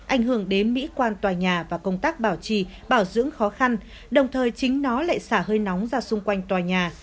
ảnh hưởng đến mỹ quan tòa nhà và công tác bảo trì bảo dưỡng khó khăn đồng thời chính nó lại xả hơi nóng ra xung quanh tòa nhà